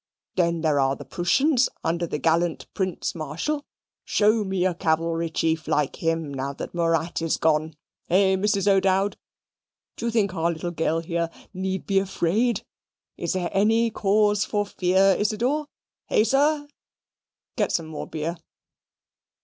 Then there are the Prooshians under the gallant Prince Marshal. Show me a cavalry chief like him now that Murat is gone. Hey, Mrs. O'Dowd? Do you think our little girl here need be afraid? Is there any cause for fear, Isidor? Hey, sir? Get some more beer."